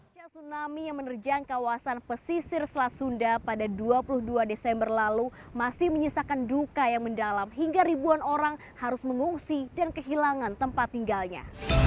tsunami yang menerjang kawasan pesisir selat sunda pada dua puluh dua desember lalu masih menyisakan duka yang mendalam hingga ribuan orang harus mengungsi dan kehilangan tempat tinggalnya